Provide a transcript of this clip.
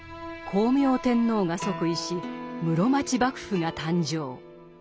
光明天皇が即位し室町幕府が誕生。